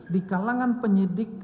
di kalangan penyidik